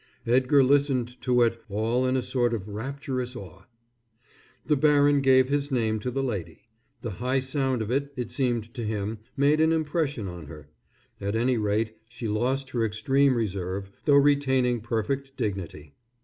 Edgar listened to it all in a sort of rapturous awe. The baron gave his name to the lady. The high sound of it, it seemed to him, made an impression on her. At any rate she lost her extreme reserve, though retaining perfect dignity.